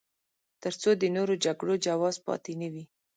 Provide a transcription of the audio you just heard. تر څو د نورو جګړو جواز پاتې نه وي.